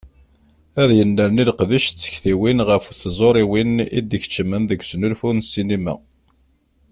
Ad yennerni leqdic d tektiwin ɣef tẓuriwin i d-ikeccmen deg usnulfu n ssinima.